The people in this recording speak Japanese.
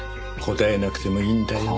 答えなくてもいいんだよ。